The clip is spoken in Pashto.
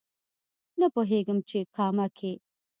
نه پوهېږم چې کامه کې